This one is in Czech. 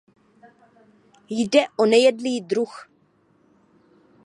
Jde o nejedlý druh.